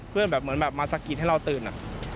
เพื่อนเหมือนมาสะกิดให้เราตื่น